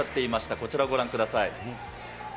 こちらをご覧ください。